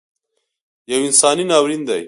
یو انساني ناورین دی